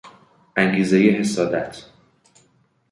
انگیزهی حسادت